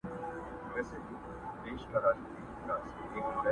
که مېرويس دی، که اکبر، که مسجدي دی!!